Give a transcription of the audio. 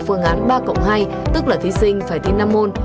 phương án ba cộng hai tức là thí sinh phải thi năm môn